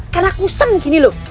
kan aku sem begini lu